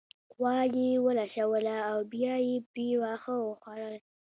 غوا يې ولوشله او بيا يې پرې واښه وخوړل